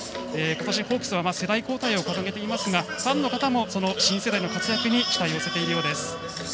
ことしのホークスは世代交代を掲げていますがファンの方もその新世代の活躍に期待を寄せているようです。